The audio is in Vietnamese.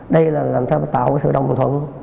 đây là làm sao mà tạo ra sự đồng thuận